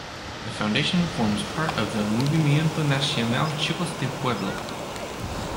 The foundation forms part of the Movimiento Nacional Chicos del Pueblo.